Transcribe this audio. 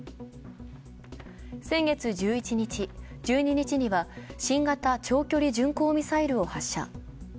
先月１１日、１２日には新型長距離巡航ミサイルを発射。